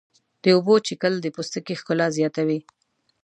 د اوبو څښل د پوستکي ښکلا زیاتوي.